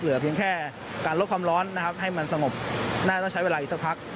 เหลือเพียงแค่การลดความร้อนนะครับให้มันสงบน่าจะใช้เวลาอีกสักพัก